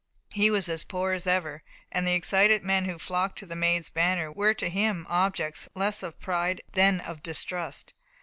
He was as poor as ever, and the excited men who flocked to the Maid's banner were to him objects less of pride than of distrust.